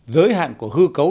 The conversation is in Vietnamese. giới hạn của hư cấu